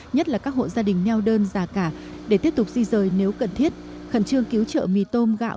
nhất là các hộ gia đình neo đơn già cả để tiếp tục di rời nếu cần thiết khẩn trương cứu trợ mì tôm gạo